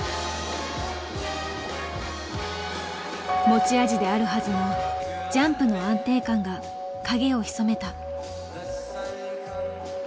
持ち味であるはずのジャンプの安定感が影を潜めた。